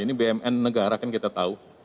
ini bumn negara kan kita tahu